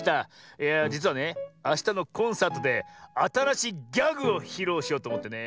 いやあじつはねあしたのコンサートであたらしいギャグをひろうしようとおもってね。